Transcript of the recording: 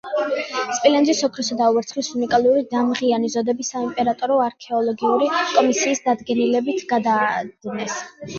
სპილენძის, ოქროსა და ვერცხლის უნიკალური დამღიანი ზოდები საიმპერატორო არქეოლოგიური კომისიის დადგენილებით გადაადნეს.